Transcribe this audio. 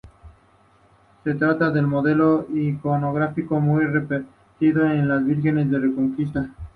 Se trata de un modelo iconográfico muy repetido en las vírgenes de la Reconquista.